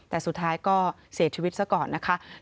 แต่สุดท้ายก็เสียชีวิตซะก่อนนะคะ